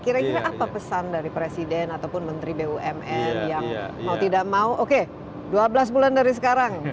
kira kira apa pesan dari presiden ataupun menteri bumn yang mau tidak mau oke dua belas bulan dari sekarang